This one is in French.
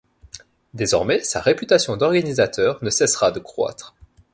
Désormais sa réputation d'organisateur ne cessera de croître.